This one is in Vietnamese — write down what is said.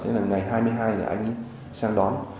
ngày hai mươi hai là anh sang đón